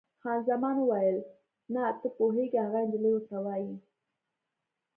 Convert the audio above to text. خان زمان وویل: نه، ته پوهېږې، هغه انجلۍ ورته وایي.